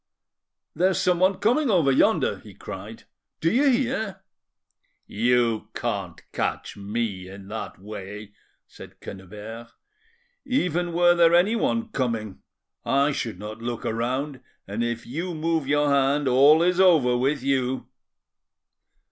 "There is someone coming over yonder," he cried,—"do you hear?" "You can't catch me in that way," said Quennebert. "Even were there anyone coming, I should not look round, and if you move your hand all is over with you."